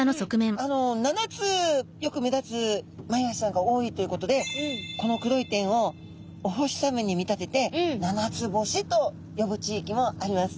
あの７つよく目立つマイワシちゃんが多いということでこの黒い点をお星さまに見立てて七つ星と呼ぶ地域もあります。